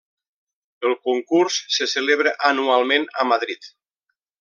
El concurs se celebra anualment a Madrid.